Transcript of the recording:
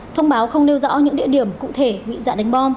thông báo không nêu rõ những địa điểm cụ thể bị dọa đánh bom